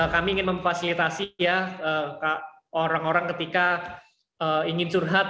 kami ingin memfasilitasi ya orang orang ketika ingin curhat